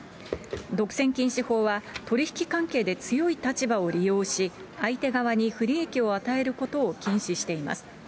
独占禁止法は、取り引き関係で強い立場を利用し、相手側に不利益を与えることを禁止しています。